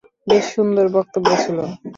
বেশ সুন্দর বক্তব্য ছিল!